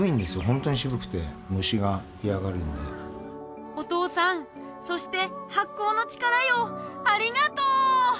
ホントに渋くて虫が嫌がるんでお父さんそして発酵の力よありがとう！